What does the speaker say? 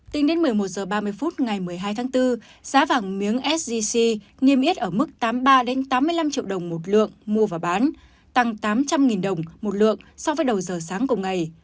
tính đến một mươi một h ba mươi phút ngày một mươi hai tháng bốn giá vàng miếng sgc niêm yết ở mức tám mươi ba tám mươi năm triệu đồng một lượng mua và bán tăng tám trăm linh đồng một lượng so với đầu giờ sáng cùng ngày